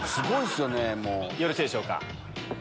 よろしいでしょうか。